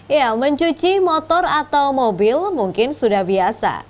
ya mencuci motor atau mobil mungkin sudah biasa